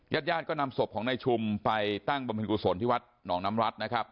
ญาติญาติก็นำศพของนายชุมไปตั้งบำเพ็ญกุศลที่วัดหนองน้ำรัฐนะครับ